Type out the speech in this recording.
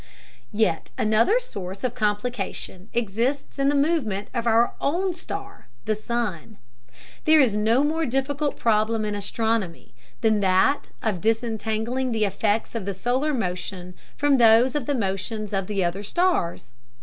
Yet another source of complication exists in the movement of our own star, the sun. There is no more difficult problem in astronomy than that of disentangling the effects of the solar motion from those of the motions of the other stars.